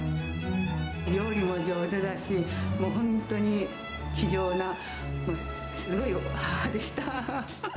料理も上手だし、もう本当に、気丈なすごい母でした。